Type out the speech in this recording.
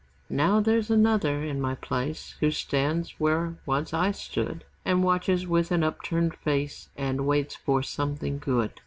] Now there's another in my place Who stands where once I stood. And watches with an upturned face And waits for "something good."